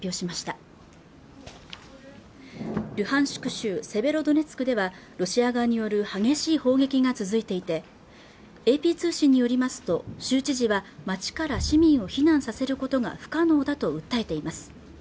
州セベロドネツクではロシア側による激しい砲撃が続いていてＡＰ通信によりますと州知事は町から市民を避難させることが不可能だと訴えています